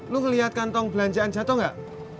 lu ngeliat kantong belanjaan jatuh gak